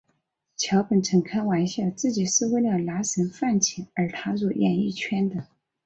桥本曾开玩笑自己是为了拿省饭钱而踏入演艺圈的。